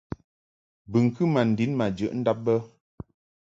Bɨŋkɨ ma ndin ma jəʼ ndab bə.